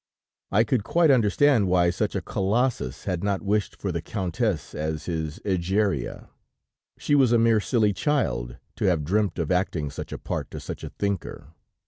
I could quite understand why such a Colossus had not wished for the Countess as his Egeria; she was a mere silly child to have dreamt of acting such a part to such a thinker.